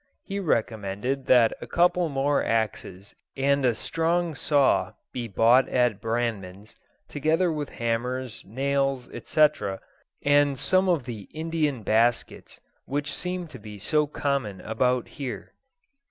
He recommended that a couple more axes and a strong saw be bought at Brannan's, together with hammers, nails, etc., and some of the Indian baskets which seem to be so common about here.